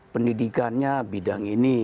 pendidikannya bidang ini